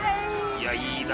いやいいな。